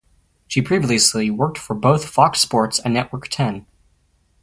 She previously worked for both Fox Sports and Network Ten.